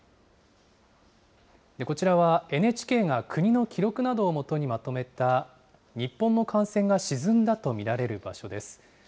こちらはＮＨＫが国の記録などを基にまとめた、日本の艦船が沈んだと見られる場所です。